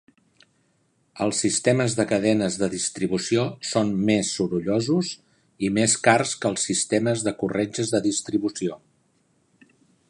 Els sistemes de cadenes de distribució són més sorollosos i més cars que els sistemes de corretges de distribució.